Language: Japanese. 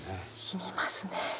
しみますね。